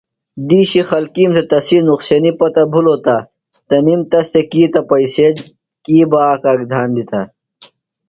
دِیشی خلکِیم تھےۡ تسی نُقصینی پتہ بِھلوۡ تہ تنِم تس تھےۡ کی تہ پئیسے کی بہ آک آک دھان دِتہ۔